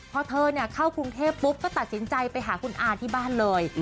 พอเธอเข้ากรุงเทพปุ๊บก็ตัดสินใจไปหาคุณอาที่บ้านเลย